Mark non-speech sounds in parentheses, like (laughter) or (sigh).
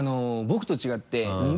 「僕と違って」 (laughs)